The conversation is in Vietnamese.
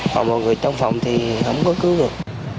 còn mọi người trong phòng thì không có cứu được